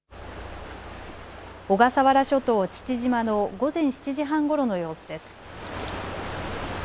小笠原諸島、父島の午前７時半ごろの様子です。